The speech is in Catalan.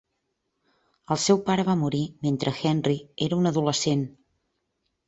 El seu pare va morir mentre Henry era un adolescent.